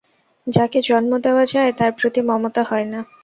যাকে জন্ম দেওয়া যায় তার প্রতি মমতা হয় না?